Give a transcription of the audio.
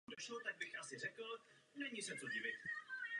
Je druhým největším pravým přítokem Mississippi po Missouri.